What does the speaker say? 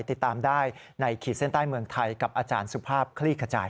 ติดตามได้ในขีดเส้นใต้เมืองไทยกับอาจารย์สุภาพคลี่ขจาย